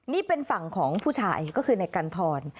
นี่เป็นฝั่งของผู้ชายก็คือในกันทร